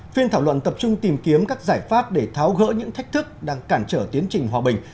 phiên thảo luận tập trung tìm kiếm các giải pháp để tháo gỡ những thách thức đang cản trở tiến trình hòa bình